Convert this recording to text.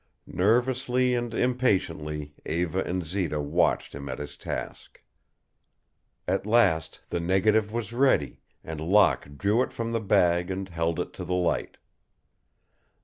Nervously and impatiently Eva and Zita watched him at his task. At last the negative was ready and Locke drew it from the bag and held it to the light.